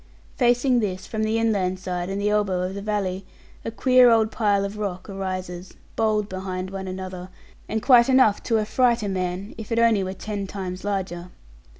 Facing this, from the inland side and the elbow of the valley, a queer old pile of rock arises, bold behind one another, and quite enough to affright a man, if it only were ten times larger.